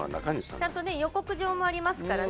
ちゃんとね予告状もありますからね。